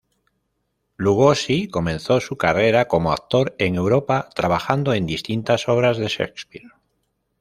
Lugosi comenzó su carrera como actor en Europa, trabajando en distintas obras de Shakespeare.